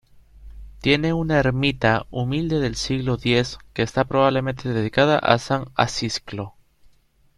Tiene una ermita humilde del siglo X que está probablemente dedicada a San Acisclo.